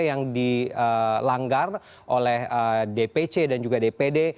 yang dilanggar oleh dpc dan juga dpd